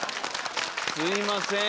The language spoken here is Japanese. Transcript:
すみません。